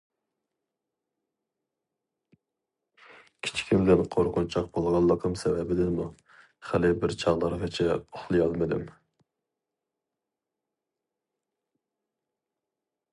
كىچىكىمدىن قورقۇنچاق بولغانلىقىم سەۋەبىدىنمۇ خىلى بىر چاغلارغىچە ئۇخلىيالمىدىم.